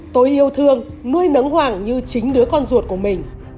tôi yêu thương nuôi nấng hoàng như chính đứa con ruột của mình